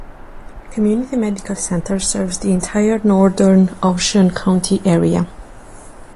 Community Medical Center serves the entire northern Ocean County area.